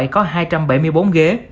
có hai trăm bảy mươi bốn ghế